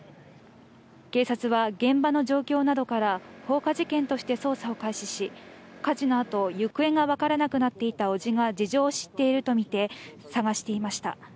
警察は現場の状況などから、放火事件として捜査を開始し、火事のあと行方がわからなくなっていた伯父が事情を知っているとみて捜していました。